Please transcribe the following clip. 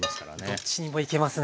どっちにもいけますね。